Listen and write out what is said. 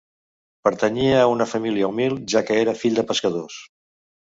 Pertanyia a una família humil, ja que era fill de pescadors.